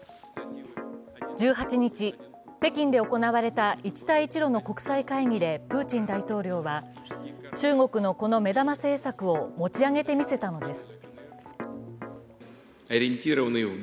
１８日、北京で行われた一帯一路の国際会議でプーチン大統領は中国のこの目玉政策を持ち上げてみせたのです。